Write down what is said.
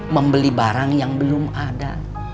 membeli barang yang belum ada